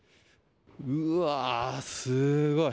うわー、すごい。